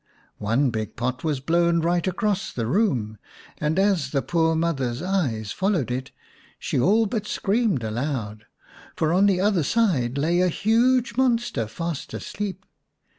One big pot was blown right across the room, and as the poor mother's eyes followed it she all but screamed aloud. For, on the other side, lay a huge monster, fast asleep.